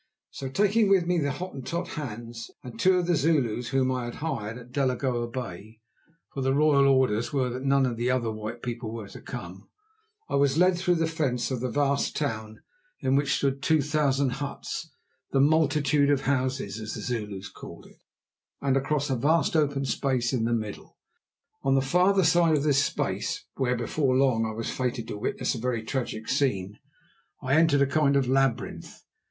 So taking with me the Hottentot Hans and two of the Zulus whom I had hired at Delagoa Bay—for the royal orders were that none of the other white people were to come, I was led through the fence of the vast town in which stood two thousand huts—the "multitude of houses" as the Zulus called it—and across a vast open space in the middle. On the farther side of this space, where, before long, I was fated to witness a very tragic scene, I entered a kind of labyrinth.